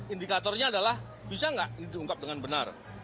indikatornya adalah bisa nggak ini diungkap dengan benar